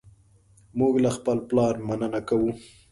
موږ له خپل پلار مننه کوو.